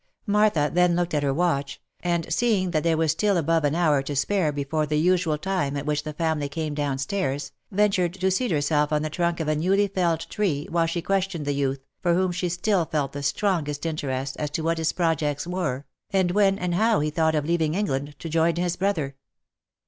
Martha then looked at her watch, and seeing that there was still above an hour to spare before the usual time at which the family came down stairs, ventured to seat herself on the trunk of a newly felled tree, while she questioned the youth, for whom she still felt the strongest interest, as to what his projects were, and when, and how he thought of leaving England to join his brother.